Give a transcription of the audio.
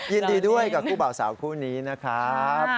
ยินดีด้วยกับคู่บ่าวสาวคู่นี้นะครับ